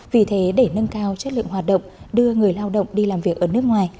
vì thế để nâng cao chất lượng hoạt động đưa người lao động đi làm việc ở nước ngoài